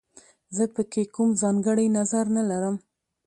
زه په کې کوم ځانګړی نظر نه لرم